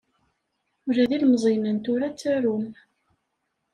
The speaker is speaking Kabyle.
Ula d ilmeẓyen n tura ttarun.